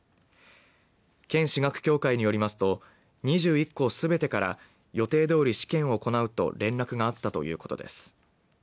県私学協会によりますと２１校すべてから予定どおり試験を行うと連絡があったということです。